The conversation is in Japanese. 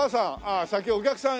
あ先お客さん。